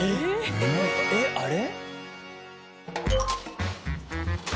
えっあれ？